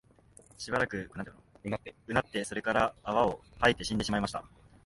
しばらく吠って、それから泡を吐いて死んでしまいました